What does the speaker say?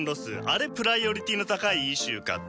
あれプライオリティーの高いイシューかと。